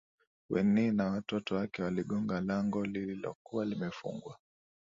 winnie na watoto wake waligonga lango lililokuwa limefungwa